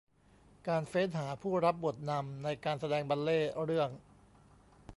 การเฟ้นหาผู้รับบทนำในการแสดงบัลเลต์เรื่อง